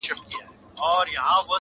سم په لاره کی اغزی د ستوني ستن سي-